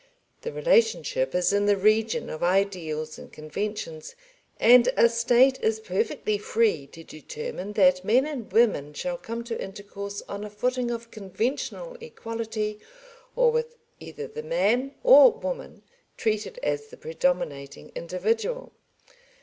The relationship is in the region of ideals and conventions, and a State is perfectly free to determine that men and women shall come to intercourse on a footing of conventional equality or with either the man or woman treated as the predominating individual.